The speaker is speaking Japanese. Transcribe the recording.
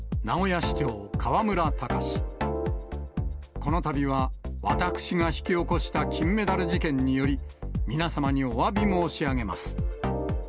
このたびは私が引き起こした金メダル事件により、皆様におわび申し上げます。